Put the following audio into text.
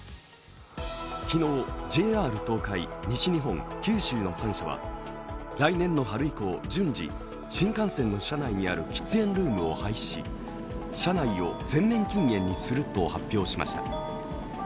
昨日、ＪＲ東海、西日本、九州の３社は来年の春以降、順次新幹線の車内にある喫煙ルームを廃止し車内を全面禁煙にすると発表しました。